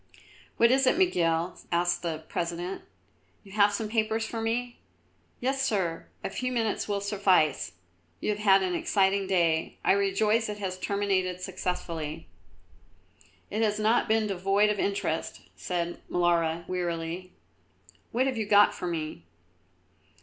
"What is it, Miguel?" asked the President; "you have some papers for me?" "Yes, Sir; a few minutes will suffice. You have had an exciting day; I rejoice it has terminated successfully." "It has not been devoid of interest," said Molara, wearily. "What have you got for me?"